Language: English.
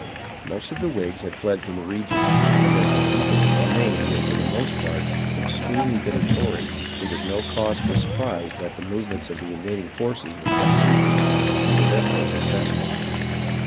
Most of the Whigs had fied from the region, and as the people who remained were for the most part extremely bitter Tories, it is no cause for sur prise that the movements of the invading forces were kept secret, and were therefore successful.